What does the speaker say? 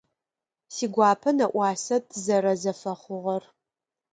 Сигуапэ нэӏуасэ тызэрэзэфэхъугъэр.